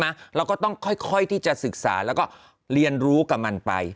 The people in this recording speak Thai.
เราก็ต้องค่อยที่จะศึกษาแล้วก็เรียนรู้กับมันไป